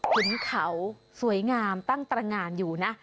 หินเขาสวยงามตั้งตรงานอยู่นะ